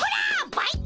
バイト！